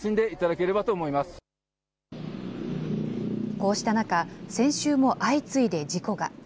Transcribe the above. こうした中、先週も相次いで事故が。